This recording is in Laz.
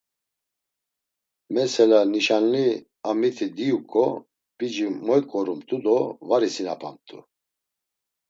Mesela nişanli a miti diyuǩo, p̌ici moyǩoramt̆u do var isinapamt̆u.